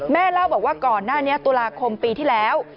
เล่าบอกว่าก่อนหน้านี้ตุลาคมปีที่แล้ว